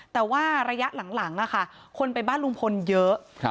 แต่ว่าระยะหลังคนไปบ้านลุงพลเยอะ